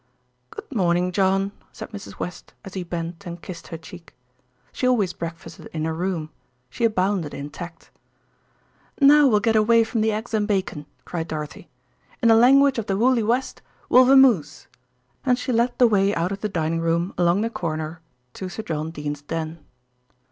"Good morning, John," said Mrs. West as he bent and kissed her cheek. She always breakfasted in her room; she abounded in tact. "Now we'll get away from the eggs and bacon," cried Dorothy. "In the language of the woolly West, we'll vamoose," and she led the way out of the dining room along the corridor to Sir John Dene's den.